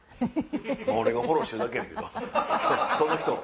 俺がフォローしてるだけやけどその人を。